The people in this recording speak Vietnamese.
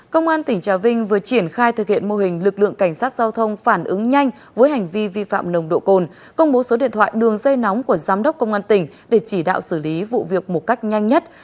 công an tỉnh trà vinh vừa triển khai thực hiện mô hình lực lượng cảnh sát giao thông phản ứng nhanh với hành vi vi phạm nồng độ cồn công bố số điện thoại đường dây nóng của giám đốc công an tỉnh để chỉ đạo xử lý vụ việc một cách nhanh nhất